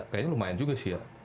kayaknya lumayan juga sih ya